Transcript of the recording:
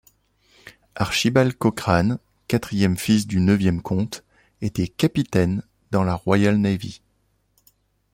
Archibal Cochrane, quatrième fils du neuvième comte, était capitaine dans la Royal Navy.